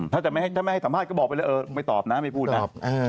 ถ้าจะไม่ให้สัมภาษณ์ก็บอกไปเลยเออไม่ตอบนะไม่พูดนะ